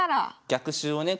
逆襲をね